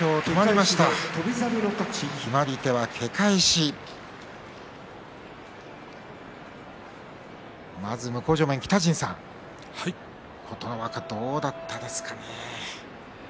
まず向正面の北陣さん琴ノ若、どうだったですかね。